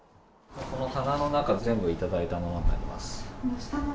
この棚の中、全部頂いたものになります。